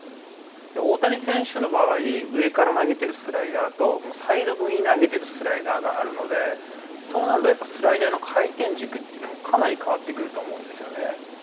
大谷選手の場合、上から投げてるスライダーと、サイド気味に投げてるスライダーがあるので、そうなるとやっぱりスライダーの回転軸っていうのも、かなり変わってくると思うんです